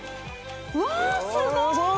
うわぁすごい！